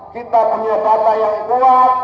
kita punya data yang kuat